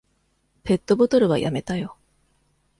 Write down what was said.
ペットボトルはやめたよ。